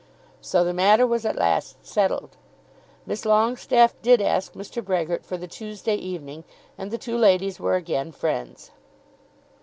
So the matter was at last settled. Miss Longestaffe did ask Mr. Brehgert for the Tuesday evening, and the two ladies were again friends.